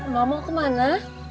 mama mau kemana